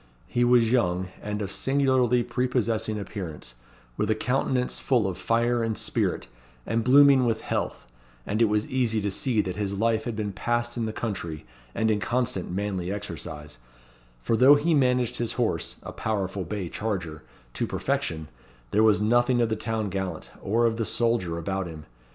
He was young, and of singularly prepossessing appearance, with a countenance full of fire and spirit, and blooming with health, and it was easy to see that his life had been passed in the country, and in constant manly exercise; for though he managed his horse a powerful bay charger to perfection, there was nothing of the town gallant, or of the soldier, about him.